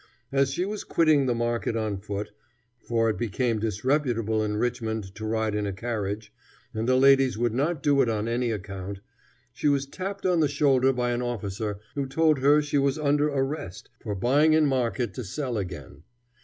As she was quitting the market on foot, for it had become disreputable in Richmond to ride in a carriage, and the ladies would not do it on any account, she was tapped on the shoulder by an officer who told her she was under arrest, for buying in market to sell again.